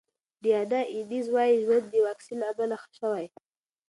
ډیانا اینز وايي ژوند یې د واکسین له امله ښه شوی.